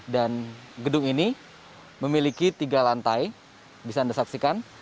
dan gedung ini memiliki tiga lantai bisa anda saksikan